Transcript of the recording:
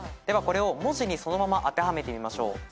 ではこれを文字にそのまま当てはめてみましょう。